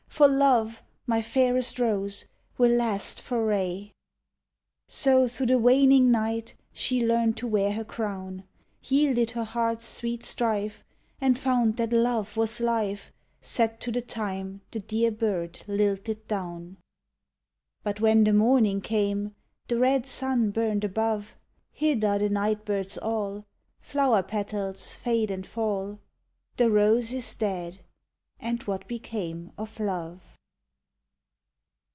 For love, my fairest rose, will last for aye. So, thro' the waning night She learned to wear her crown; Yielded her heart's sweet strife And found that love was life Set to the time the dear bird lilted down. But when the morning came The red sun burned above; Hid are the night birds all, Flower petals fade and fall; The rose is dead and what became of love!